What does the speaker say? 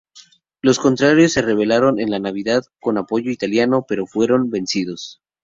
Los contrarios se rebelaron en la Navidad con apoyo italiano, pero fueron vencidos.